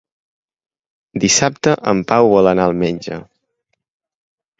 Dissabte en Pau vol anar al metge.